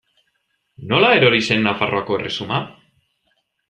Nola erori zen Nafarroako erresuma?